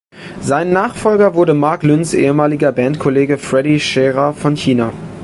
Sein Nachfolger wurde Marc Lynns ehemaliger Bandkollege Freddy Scherer von China.